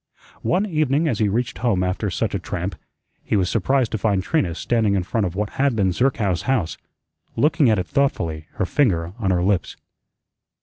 One evening as he reached home after such a tramp, he was surprised to find Trina standing in front of what had been Zerkow's house, looking at it thoughtfully, her finger on her lips.